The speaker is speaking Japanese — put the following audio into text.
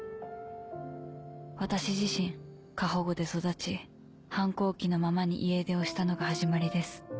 「私自身過保護で育ち反抗期のままに家出をしたのが始まりです。